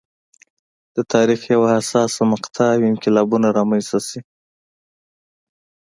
د تاریخ یوه حساسه مقطعه او انقلابونه رامنځته شي.